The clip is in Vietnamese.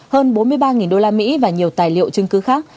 hơn bốn mươi ba đô la mỹ và nhiều tài liệu chứng cứ khác